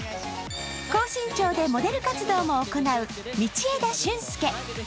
高身長でモデル活動も行う道枝駿佑。